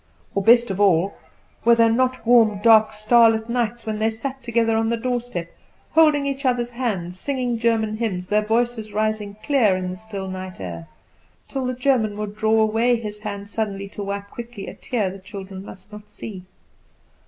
Or, best of all, were there not warm, dark, starlight nights, when they sat together on the doorstep, holding each other's hands, singing German hymns, their voices rising clear in the still night air till the German would draw away his hand suddenly to wipe quickly a tear the children must not see?